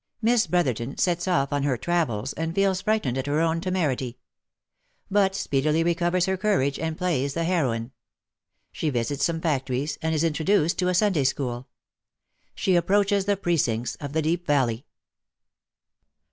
MISS BROTHERTON SETS OFF ON HER TRAVELS, AND FEELS FRIGHTENED AT HER OWN TEMERITY BUT SPEEDILY RECOVERS HER COURAGE, AND PLAYS THE HEROINE SHE VISITS SOME FACTORIES, AND IS IN TRODUCED TO A SUNDAY SCHOOL SHE APPROACHES THE PRECINCTS OF THE DEEP VALLEY.